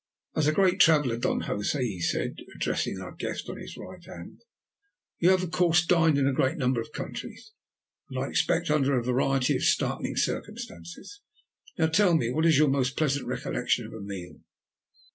"As a great traveller, Don Josè," he said, addressing the guest on his right hand, "you have of course dined in a great number of countries, and I expect under a variety of startling circumstances. Now tell me, what is your most pleasant recollection of a meal?"